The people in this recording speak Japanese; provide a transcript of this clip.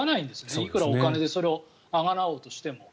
いくらお金でそれをあがなおうとしても。